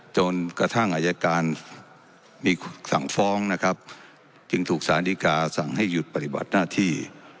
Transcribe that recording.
จนกระทั่งอายการมีสั่งฟ้องนะครับจึงถูกสารดีกาสั่งให้หยุดปฏิบัติหน้าที่